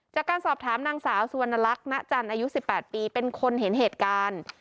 จากการสอบถามนางสาวสุวรรณลักษณ์ณจันทร์อายุ๑๘ปีเป็นคนเห็นเหตุการณ์